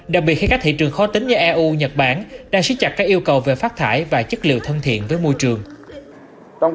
đặc biệt khi các thị trường khó tính như eu nhật bản đang xích chặt các yêu cầu về phát thải và chất liệu thân thiện với môi trường